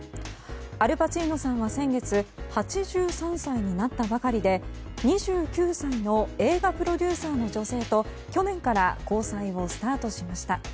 アル・パチーノさんは先月、８３歳になったばかりで２９歳の映画プロデューサーの女性と去年から交際をスタートしました。